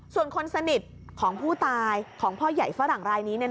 ส่วนคนสนิทของผู้ตายของพ่อใหญ่ฝรั่งรายนี้